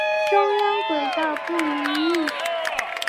中央轨道不营运。